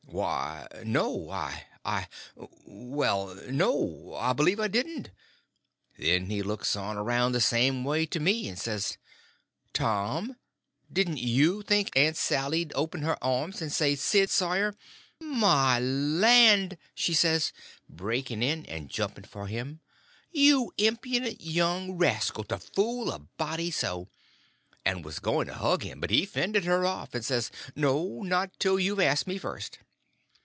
"Why, no; I—I—well, no, I b'lieve I didn't." Then he looks on around the same way to me, and says: "Tom, didn't you think Aunt Sally 'd open out her arms and say, 'Sid Sawyer—'" "My land!" she says, breaking in and jumping for him, "you impudent young rascal, to fool a body so—" and was going to hug him, but he fended her off, and says: "No, not till you've asked me first."